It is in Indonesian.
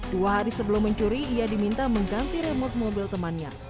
dua hari sebelum mencuri ia diminta mengganti remote mobil temannya